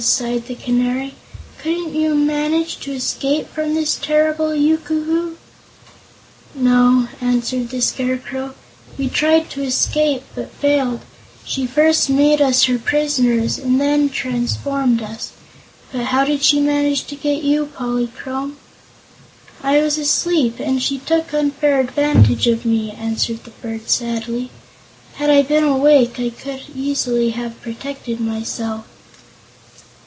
sighed the Canary. "Couldn't you manage to escape from this terrible Yookoohoo?" "No," answered the Scarecrow, "we tried to escape, but failed. She first made us her prisoners and then transformed us. But how did she manage to get you, Polychrome?" "I was asleep, and she took unfair advantage of me," answered the bird sadly. "Had I been awake, I could easily have protected myself."